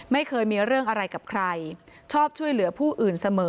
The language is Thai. ไม่เคยมีเรื่องอะไรกับใครชอบช่วยเหลือผู้อื่นเสมอ